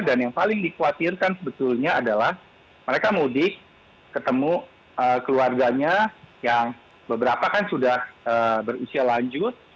dan yang paling dikhawatirkan sebetulnya adalah mereka mudik ketemu keluarganya yang beberapa kan sudah berusia lanjut